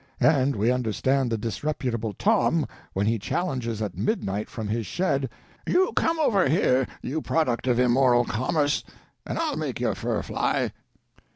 and we understand the disreputable Tom when he challenges at midnight from his shed, "You come over here, you product of immoral commerce, and I'll make your fur fly!"